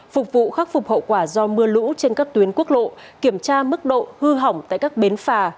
phục vụ khắc phục hậu quả do mưa lũ trên các tuyến quốc lộ kiểm tra mức độ hư hỏng tại các bến phà